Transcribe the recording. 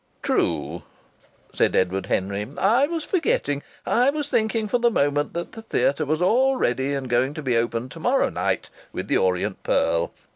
"True!" said Edward Henry. "I was forgetting! I was thinking for the moment that the theatre was all ready and going to be opened to morrow night with 'The Orient Pearl.'